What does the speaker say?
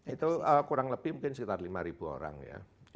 itu kurang lebih mungkin sekitar lima orang ya